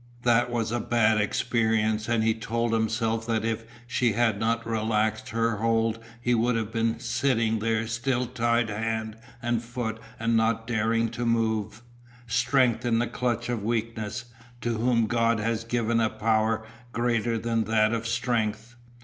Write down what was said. That was a bad experience and he told himself that if she had not relaxed her hold he would have been sitting there still tied hand and foot and not daring to move strength in the clutch of weakness, to whom God has given a power greater that that of strength.